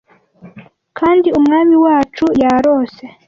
kandi umwami wacu yarose